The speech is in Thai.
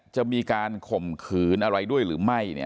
จะมีการข่มขืนอะไรด้วยหรือไม่